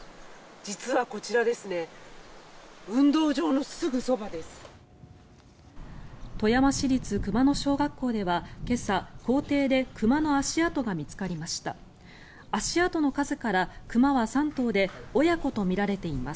実はこちら運動場のすぐそばです。